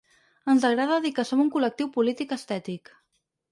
Ens agrada dir que som un col·lectiu polític-estètic.